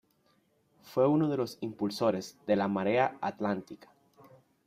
Fue uno de los impulsores de la Marea Atlántica.